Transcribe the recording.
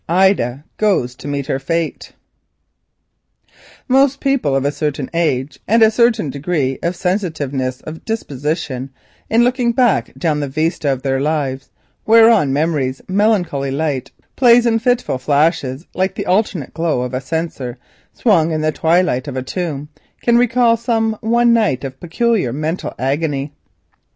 IDA GOES TO MEET HER FATE Most people of a certain age and a certain degree of sensitiveness, in looking back down the vista of their lives, whereon memory's melancholy light plays in fitful flashes like the alternate glow of a censer swung in the twilight of a tomb, can recall some one night of peculiar mental agony.